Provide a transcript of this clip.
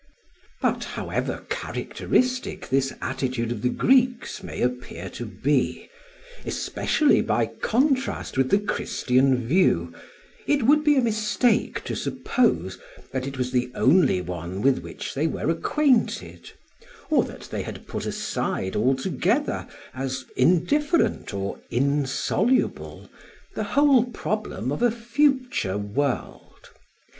But however characteristic this attitude of the Greeks may appear to be, especially by contrast with the Christian view, it would be a mistake to suppose that it was the only one with which they were acquainted, or that they had put aside altogether, as indifferent or insoluble, the whole problem of a future world.